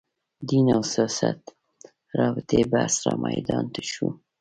دین او سیاست رابطې بحث رامیدان ته شو